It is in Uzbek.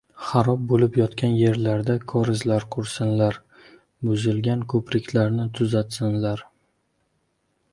Xarob bo‘lib yotgan yerlarda korizlar qursinlar, buzilgan ko‘priklarni tuzatsinlar